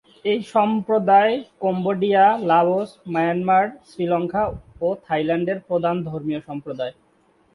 এই সম্প্রদায় Cambodia, Laos, Myanmar, Sri Lanka ও থাইল্যান্ডের প্রধান ধর্মীয় সম্প্রদায়।